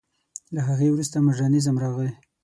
له هغې وروسته مډرنېزم راغی.